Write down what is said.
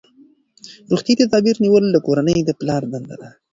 روغتیايي تدابیر نیول د کورنۍ د پلار دنده ده.